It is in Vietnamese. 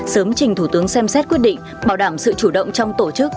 sớm trình thủ tướng xem xét quyết định bảo đảm sự chủ động trong tổ chức